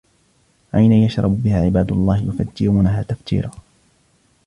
عَيْنًا يَشْرَبُ بِهَا عِبَادُ اللَّهِ يُفَجِّرُونَهَا تَفْجِيرًا